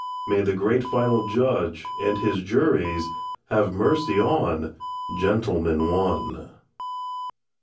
May the great Final Judge and His juries Have mercy on "Gentleman, One"!